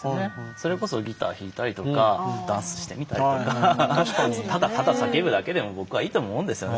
それこそ、ギターを弾いたりダンスをしてみたりとかただただ叫ぶだけでも僕はいいと思うんですよね。